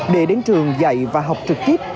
để đến trường dạy và học trực tiếp